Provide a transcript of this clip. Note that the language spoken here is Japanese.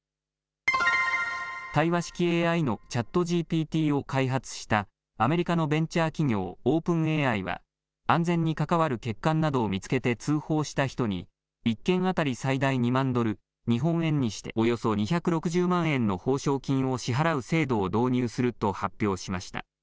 対話式ＡＩのＣｈａｔＧＰＴを開発した、アメリカのベンチャー企業、オープンＡＩは、安全に関わる欠陥などを見つけて通報した人に、１件当たり最大２万ドル、日本円にしておよそ２６０万円の報奨金を支払う制度を導入すると発表しました。